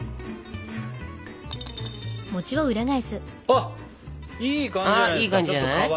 あっいい感じじゃないですか？